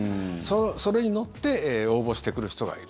それに乗って応募してくる人がいる。